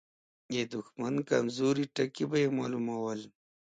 د دښمن کمزوري ټکي به يې مالومول.